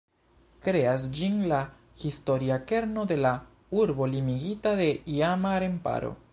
Kreas ĝin la historia kerno de la urbo limigita de iama remparo.